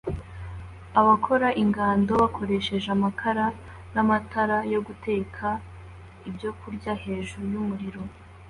Abakora ingando bakoresha amakara n'amatara yo guteka ibyokurya hejuru yumuriro